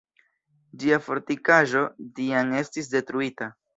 Ĝia fortikaĵo tiam estis detruita.